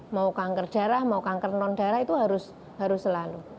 mau kanker darah mau kanker non darah itu harus selalu